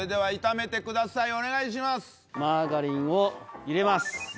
マーガリンを入れます。